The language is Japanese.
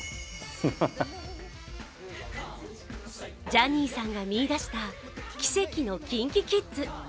ジャニーさんが見いだした奇跡のＫｉｎＫｉＫｉｄｓ。